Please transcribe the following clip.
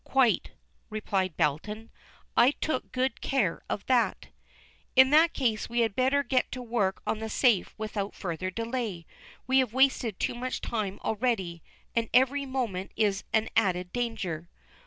"Quite," replied Belton, "I took good care of that." "In that case we had better get to work on the safe without further delay. We have wasted too much time already, and every moment is an added danger."